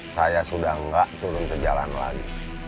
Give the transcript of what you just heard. saya sudah nggak turun ke jalan lagi